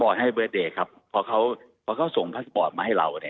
บอกแฮปปี้เบิร์ตเดย์ครับพอเขาส่งพัสบอร์ตมาให้เราเนี่ย